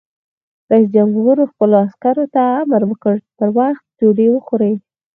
رئیس جمهور خپلو عسکرو ته امر وکړ؛ په وخت ډوډۍ وخورئ!